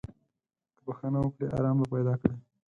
که بخښنه وکړې، ارام به پیدا کړې.